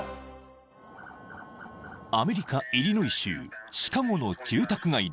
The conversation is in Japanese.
［アメリカイリノイ州シカゴの住宅街で］